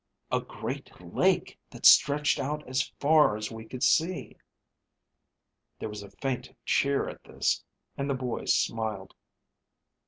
"A great lake that stretched out as far as we could see." There was a faint cheer at this, and the boy smiled.